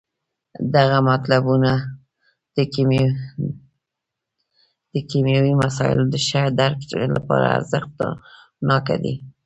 دغه مطلبونه د کیمیاوي مسایلو د ښه درک لپاره ارزښت ناکه دي.